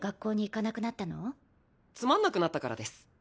つまんなくなったからです。